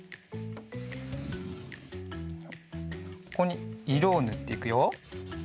ここにいろをぬっていくよ。